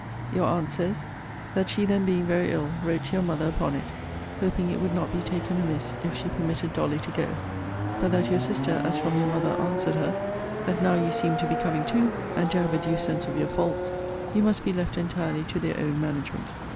Your aunt says, 'That she then being very ill, wrote to your mother upon it, hoping it would not be taken amiss if she permitted Dolly to go; but that your sister, as from your mother, answered her, That now you seemed to be coming to, and to have a due sense of your faults, you must be left entirely to their own management.